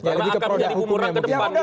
karena akan menjadi umuran kedemban gitu